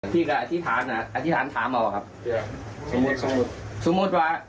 พี่กับอธิษฐานนะอธิษฐานถามเปล่าครับ